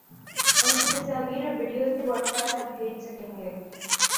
اُن کی تصاویر اور ویڈیوز بھی واٹس ایپ پر بھیج سکیں گے